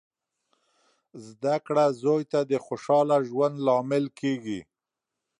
زده کړه زوی ته د خوشخاله ژوند لامل کیږي.